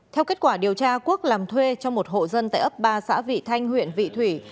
theo kết quả điều tra quốc làm thuê cho một hộ dân tại ấp ba xã vị thanh huyện vị thủy